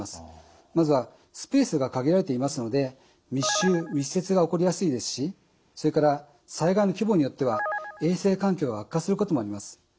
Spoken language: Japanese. まずはスペースが限られていますので密集・密接が起こりやすいですしそれから災害の規模によっては衛生環境が悪化することもあります。